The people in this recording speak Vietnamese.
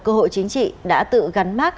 cơ hội chính trị đã tự gắn mát